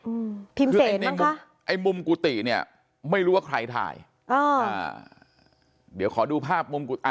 อืมพิมพ์เสร็จในมุมไอ้มุมกุฏิเนี้ยไม่รู้ว่าใครถ่ายอ่าอ่าเดี๋ยวขอดูภาพมุมกุอ่า